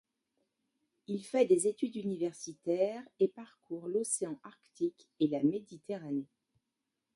Il fait des études universitaires et parcourt l'océan Arctique et la Méditerranée.